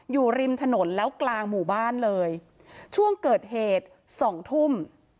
อยู่ริมถนนแล้วกลางหมู่บ้านเลยช่วงเกิดเหตุสองทุ่ม